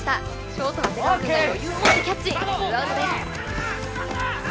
ショート長谷川くんが余裕を持ってキャッチツーアウトですサード！